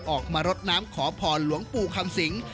ออกมารดน้ำขอพรหลวงปู่คำสิง